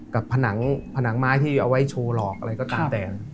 ผนังผนังไม้ที่เอาไว้โชว์หลอกอะไรก็ตามแต่